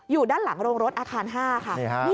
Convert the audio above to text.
อยู่ด้านหลังโรงรถอาคาร๕ค่ะ